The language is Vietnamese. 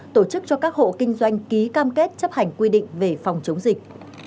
tổ chức cho các hộ kinh doanh ký cam kết chấp hành quy định về phòng chống dịch